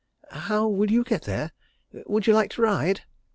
"How will you get there? Would you like to ride?"